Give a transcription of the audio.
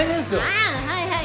ああはいはい。